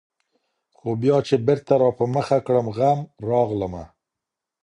خو بيا چي بېرته راپه مخه کړمه غم ، راغلمه